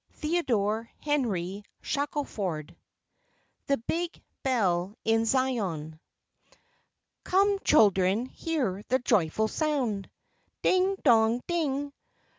Theodore Henry Shackelford THE BIG BELL IN ZION Come, children, hear the joyful sound, Ding, Dong, Ding.